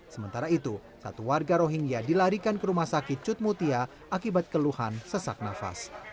sementara itu satu warga rohingya dilarikan ke rumah sakit cutmutia akibat keluhan sesak nafas